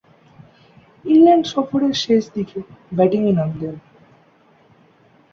England সফরের শেষদিকে ব্যাটিংয়ে নামতেন।